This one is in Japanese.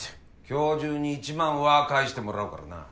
今日中に１万は返してもらうからな。